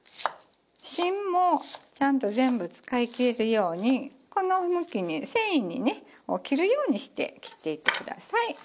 芯もちゃんと全部使い切れるようにこの向きに繊維を切るようにして切っていってください。